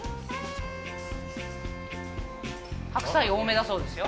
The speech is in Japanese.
白菜多めだそうですよ。